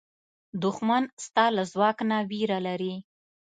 دښمن ستا له ځواک نه وېره لري